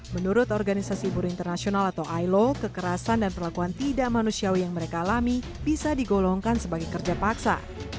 menurut organisasi buruh internasional atau ilo kekerasan dan perlakuan tidak manusiawi yang mereka alami bisa digolongkan sebagai kerja paksa